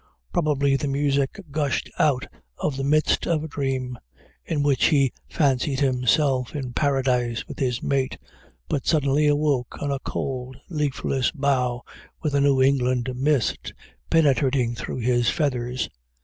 Probably the music gushed out of the midst of a dream in which he fancied himself in paradise with his mate, but suddenly awoke on a cold, leafless bough with a New England mist penetrating through his feathers.